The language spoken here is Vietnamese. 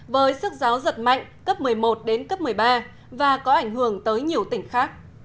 với sức gió giật mạnh cấp một mươi một đến cấp một mươi ba và có ảnh hưởng tới nhiều tỉnh khác